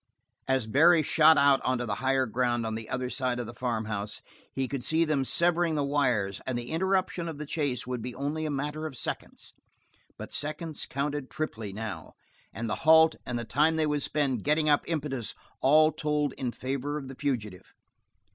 As Barry shot out onto the higher ground on the other side of the farmhouse he could see them severing the wires and the interruption of the chase would be only a matter of seconds. But seconds counted triply now, and the halt and the time they would spend getting up impetus all told in favor of the fugitive.